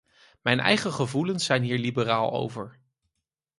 Mijn eigen gevoelens zijn hier liberaal over.